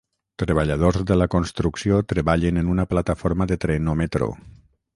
Treballadors de la construcció treballen en una plataforma de tren o metro.